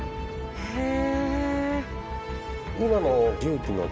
へえ。